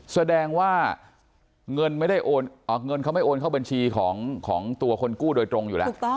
แสดงว่าเงินไม่ได้เงินเขาไม่โอนเข้าบัญชีของตัวคนกู้โดยตรงอยู่แล้ว